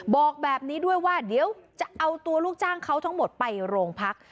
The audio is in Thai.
บอกแบบนี้ด้วยว่าเดี๋ยวจะเอาตัวลูกจ้างเขาทั้งหมดไปโรงพัก